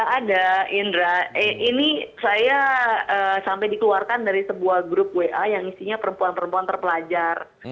ada indra ini saya sampai dikeluarkan dari sebuah grup wa yang isinya perempuan perempuan terpelajar